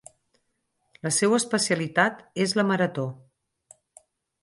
La seua especialitat és la marató.